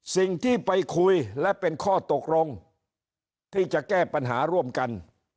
สิ่งที่ไปคุยและเป็นข้อตกลงที่จะแก้ปัญหาร่วมกัน